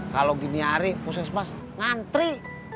kalau gini hari puskesmas ngantri